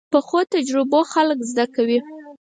پخو تجربو خلک زده کوي